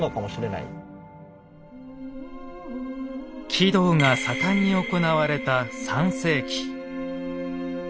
鬼道が盛んに行われた３世紀。